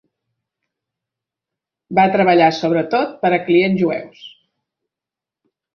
Va treballar sobretot per a clients jueus.